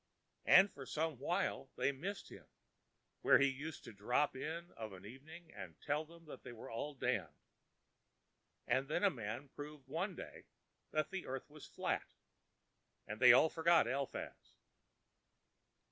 And for some while they missed him where he used to drop in of an evening to tell them they were all damned: and then a man proved one day that the earth was flat, and they all forgot Eliphaz.